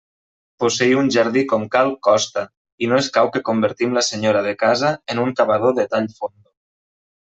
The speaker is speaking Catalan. Posseir un jardí com cal costa, i no escau que convertim la senyora de casa en un cavador de tall fondo.